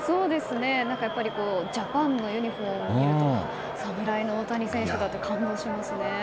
やっぱりジャパンのユニホームを見ると侍の大谷選手だって感じがしますね。